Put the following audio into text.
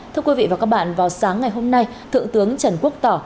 thưa quý vị và các bạn vào sáng ngày hôm nay thượng tướng trần quốc tỏ